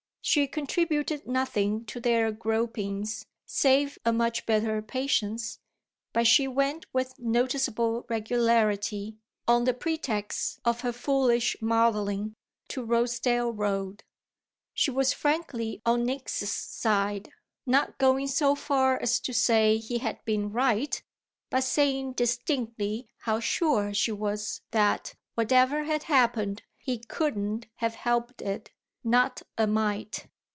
She contributed nothing to their gropings save a much better patience, but she went with noticeable regularity, on the pretext of her foolish modelling, to Rosedale Road. She was frankly on Nick's side; not going so far as to say he had been right, but saying distinctly how sure she was that, whatever had happened, he couldn't have helped it, not a mite.